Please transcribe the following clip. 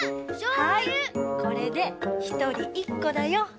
はいこれでひとりいっこだよ。